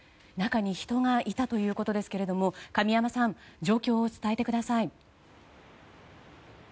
中に人がいたということですが神山さん状況を伝えてください。